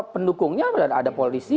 pendukungnya apa itu ada polisi